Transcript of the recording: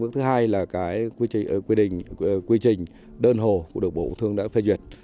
thứ hai là quy trình đơn hồ của độc bộ thương đã phê duyệt